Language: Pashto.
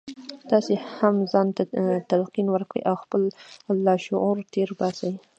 تاسې هم ځان ته تلقين وکړئ او خپل لاشعور تېر باسئ.